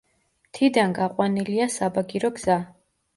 მთიდან გაყვანილია საბაგირო გზა.